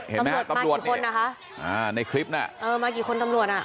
ตำรวจมากี่คนอ่ะคะในคลิปน่ะมากี่คนตำรวจอ่ะ